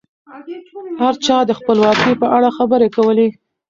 هر چا د خپلواکۍ په اړه خبرې کولې.